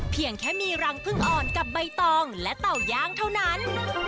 เพียงแค่มีรังพึ่งอ่อนกับใบตองและเต่าย่างเท่านั้น